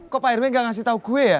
kok pak rw enggak ngasih tahu gue ya